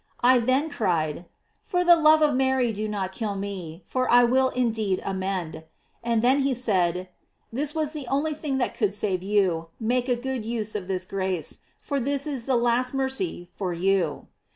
I then cried: Tor the love of Mary do not kill me, for I will indeed amend.' And then he said: 'This was the only thing that could save you: make a good use of this grace, for this is the last mercy for you.'